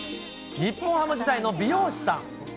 日本ハム時代の美容師さん。